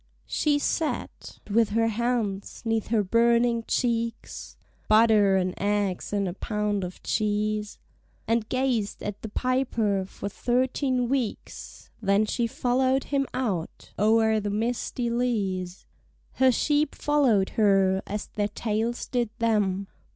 She sat, with her hands 'neath her burning cheeks, (Butter and eggs and a pound of cheese) And gazed at the piper for thirteen weeks; Then she follow'd him out o'er the misty leas. Her sheep follow'd her, as their tails did them.